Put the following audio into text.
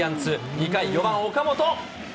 ２回、４番岡本。